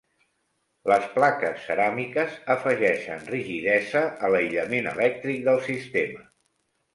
Les plaques ceràmiques afegeixen rigidesa a l"aïllament elèctric del sistema.